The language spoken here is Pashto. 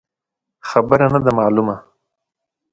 خبره نه ده مالونه.